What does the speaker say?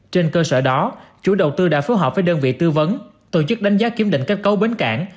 trên cơ sở đó chủ đầu tư đã phối hợp với đơn vị tư vấn tổ chức đánh giá kiểm định kết cấu bến cảng